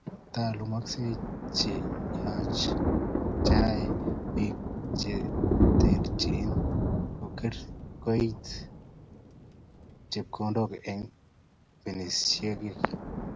Taalumaisiek che yoei bik che terchin kou keit chepkondok eng benkisiek